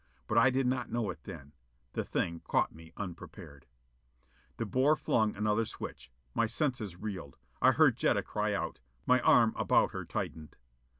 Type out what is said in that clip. But I did not know it then: the thing caught me unprepared. De Boer flung another switch. My senses reeled. I heard Jetta cry out. My arm about her tightened.